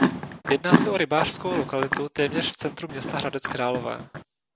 Jedná se o rybářskou lokalitu téměř v centru města Hradec Králové.